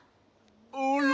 あら。